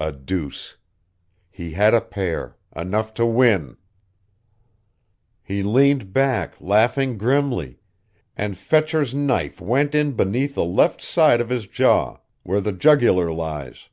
"A deuce. He had a pair, enough to win.... "He leaned back, laughing grimly; and Fetcher's knife went in beneath the left side of his jaw, where the jugular lies.